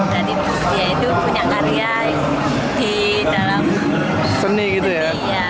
dan itu dia itu punya karya di dalam seni gitu ya